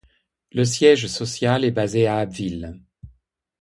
Le siège social est basé à Abbeville.